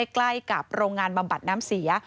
ใกล้กับโรงงานบำบัดน้ำเสีย